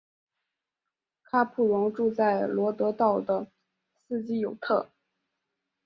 卡普荣住在罗德岛的斯基尤特。